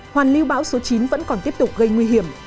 hoàn lưu bão số chín vẫn còn tiếp tục gây nguy hiểm